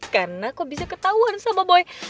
karena kok bisa ketauan sama boy